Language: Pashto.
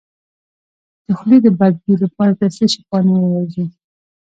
د خولې د بد بوی لپاره د څه شي پاڼې وژويئ؟